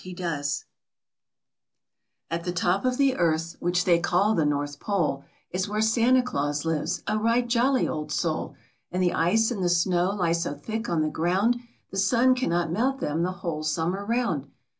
e floe the top of the earth, which they call the North Pole, Is where Santa Claus lives, a right jolly old soul ! And the ice and the snow lie so thick on the ground The sun cannot melt them the whole summer round.